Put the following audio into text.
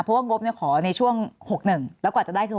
เพราะว่างบขอในช่วง๖๑แล้วกว่าจะได้คือ